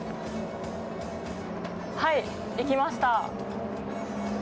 はい、行きました。